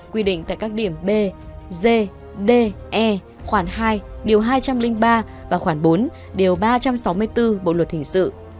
quy định tại các điểm b d d e khoảng hai điều hai trăm linh ba và khoảng bốn điều ba trăm sáu mươi bốn bộ luật hình sự